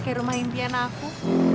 kayak rumah impian aku